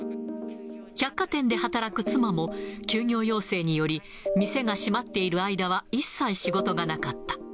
百貨店で働く妻も、休業要請により、店が閉まっている間は一切仕事がなかった。